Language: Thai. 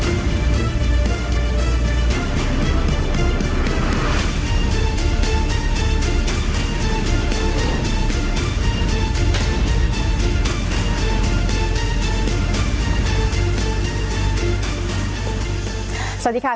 สนับสนุนโดยพี่โพเพี่ยวสะอาดใสไร้คราบ